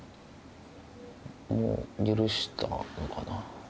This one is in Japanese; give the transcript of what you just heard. もう許したのかな。